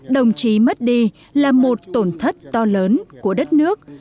đồng chí mất đi là một tổn thất to lớn của đất nước